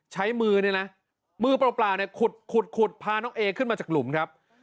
ใช้มือเนี่ยนะมือเปล่าเนี่ยขุดขุดพาน้องเอขึ้นมาจากหลุมครับ